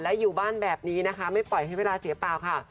และอยู่บ้านแบบนี้นะคะไม่ปล่อยให้เวลาเสียเปล่าค่ะ